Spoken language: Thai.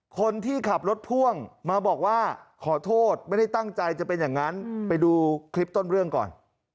คนที่ขับรถพ่วงมาบอกว่าขอโทษไม่ได้ตั้งใจจะเป็นอย่างนั้นไปดูคลิปต้นเรื่องก่อน